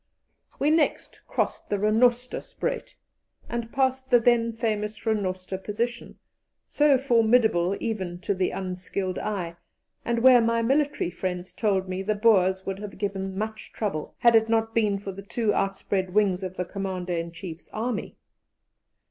We next crossed the Rhenoster Spruit, and passed the then famous Rhenoster position, so formidable even to the unskilled eye, and where my military friends told me the Boers would have given much trouble, had it not been for the two outspread wings of the Commander in Chief's army.